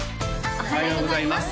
おはようございます